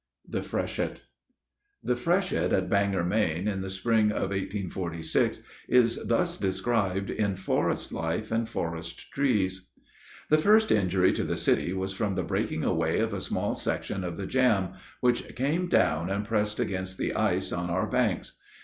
THE FRESHET. The freshet at Bangor, Me., in the spring of 1846, is thus described in "Forest Life and Forest Trees:" The first injury to the city was from the breaking away of a small section of the jam, which came down and pressed against the ice on our banks.